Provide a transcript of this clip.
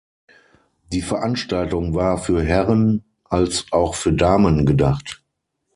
Die Veranstaltung war für Herren als auch für Damen gedacht.